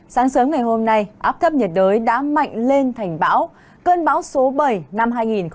sáng sớm ngày hôm nay áp thấp nhiệt đới đã mạnh lên thành bão cơn bão số bảy năm hai nghìn một mươi tám